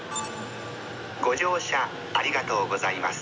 ご乗車ありがとうございます」。